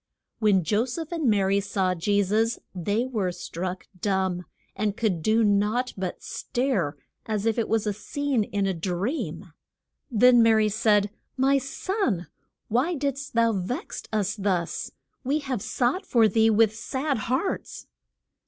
When Jo seph and Ma ry saw Je sus they were struck dumb, and could do naught but stare, as if it was a scene in a dream. Then Ma ry said, My son, why didst thou vex us thus? we have sought for thee with sad hearts.